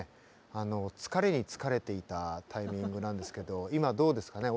あの疲れに疲れていたタイミングなんですけど今どうですかね？